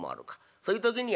そういう時にはな